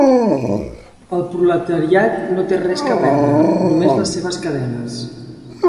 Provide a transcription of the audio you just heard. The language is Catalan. El proletariat no té res que perdre; només les seves cadenes.